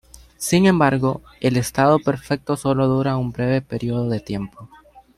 Sin embargo, El estado perfecto solo dura un breve período de tiempo.